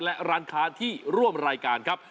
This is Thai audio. และร้านค้าที่ร่วมรายการครับ